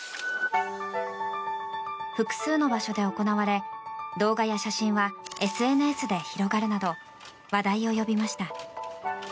複数の場所で行われ動画や写真はＳＮＳで広がるなど話題を呼びました。